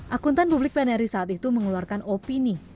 akuntan publik pnri saat itu mengeluarkan opini